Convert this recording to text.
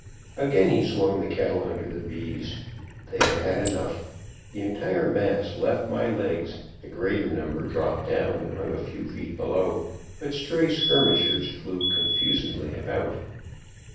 "Again he swung the kettle under the bees. They had had enough. The entire mass left my legs. The greater number dropped down and hung a few feet below, but stray skirmishers flew confusedly about.